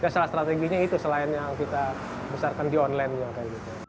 salah strateginya itu selain yang kita besarkan di online